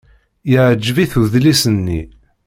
Yeɛjeb-it udlis-nni.